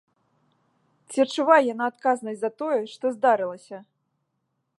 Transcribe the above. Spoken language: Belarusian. Ці адчувае яна адказнасць за тое, што здарылася?!